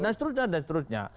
dan seterusnya dan seterusnya